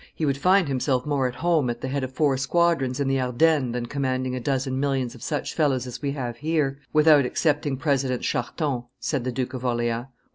"He would find himself more at home at the head of four squadrons in the Ardennes than commanding a dozen millions of such fellows as we have here, without excepting President Charton," said the Duke of Orleans.